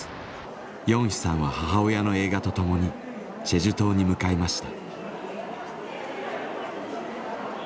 ヨンヒさんは母親の映画とともにチェジュ島に向かいました。